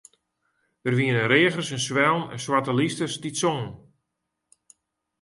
Der wiene reagers en swellen en swarte lysters dy't songen.